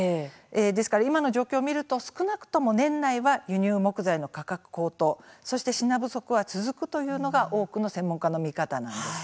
ですから今の状況を見ると少なくとも年内は輸入木材の価格高騰そして品不足は続くというのが多くの専門家の見方です。